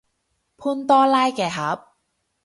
潘多拉嘅盒